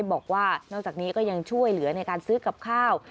บอกว่านอกจากนี้ก็ยังช่วยเหลือในการซื้อกับข้าว